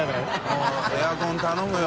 發エアコン頼むよ。